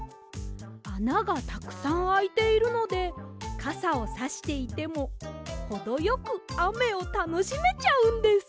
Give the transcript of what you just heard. あながたくさんあいているのでかさをさしていてもほどよくあめをたのしめちゃうんです！